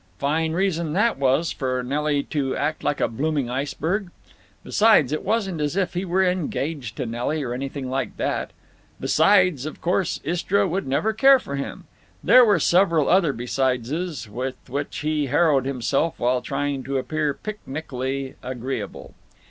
Fine reason that was for Nelly to act like a blooming iceberg! Besides, it wasn't as if he were engaged to Nelly, or anything like that. Besides, of course Istra would never care for him. There were several other besideses with which he harrowed himself while trying to appear picnically agreeable.